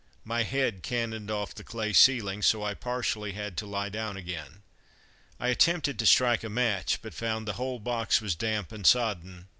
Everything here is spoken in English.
My head cannoned off the clay ceiling, so I partially had to lie down again. I attempted to strike a match, but found the whole box was damp and sodden.